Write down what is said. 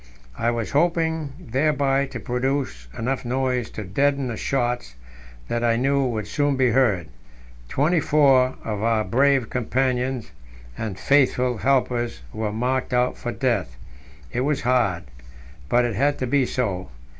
I was hoping thereby to produce enough noise to deaden the shots that I knew would soon be heard twenty four of our brave companions and faithful helpers were marked out for death. It was hard but it had to be so.